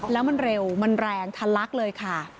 แล้วมันเร็วมันแรงทะลักเลยค่ะ